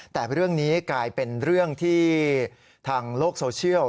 แต่เรื่องนี้กลายเป็นเรื่องที่ทางโลกโซเชียล